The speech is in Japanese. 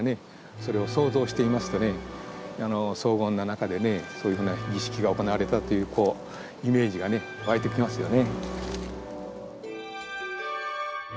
それを想像していますとね荘厳な中でそういうふうな儀式が行われたというイメージが湧いてきますよね。